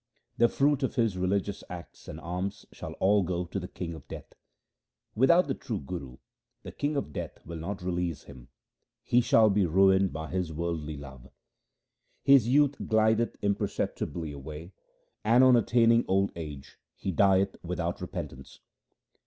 The fruit of his religious acts and alms shall all go to the king of death. Without the true Guru the king of death will not release him ; he shall be ruined by his worldly love. His youth glideth imperceptibly away, and on attaining old age he dieth without repentance.